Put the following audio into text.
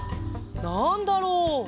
「なんだろう」